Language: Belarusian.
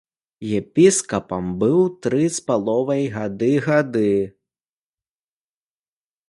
Епіскапам быў тры з паловай гады гады.